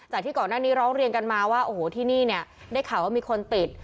ที่ก่อนหน้านี้ร้องเรียนกันมาว่าโอ้โหที่นี่เนี่ยได้ข่าวว่ามีคนติด